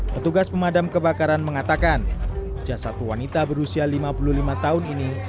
petugas pemadam kebakaran mengatakan jasad wanita berusia lima puluh lima tahun ini